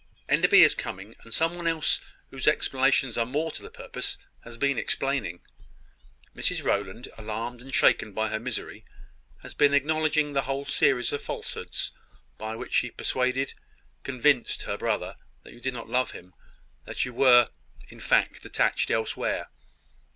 "Enderby is coming; and some one else, whose explanations are more to the purpose, has been explaining. Mrs Rowland, alarmed and shaken by her misery, has been acknowledging the whole series of falsehoods by which she persuaded, convinced her brother that you did not love him that you were, in fact, attached elsewhere.